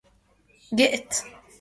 جئت